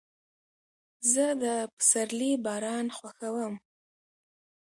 زه د پسرلي باران خوښوم.